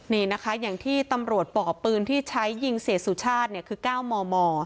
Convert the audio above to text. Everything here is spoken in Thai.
นี่นะคะอย่างที่ตำรวจป่อปืนที่ใช้ยิงเสียสุชาติเนี่ยคือ๙มม